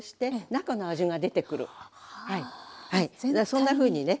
そんなふうにね